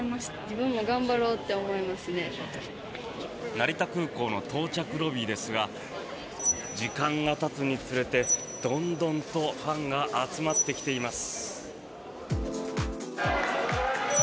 成田空港の到着ロビーですが時間がたつにつれて、どんどんとファンが集まってきています。